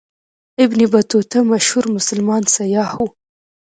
ابن بطوطه مشهور مسلمان سیاح و.